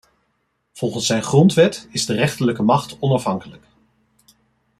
Volgens zijn grondwet is de rechterlijke macht onafhankelijk.